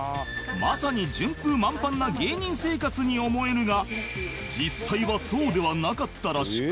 まさに順風満帆な芸人生活に思えるが実際はそうではなかったらしく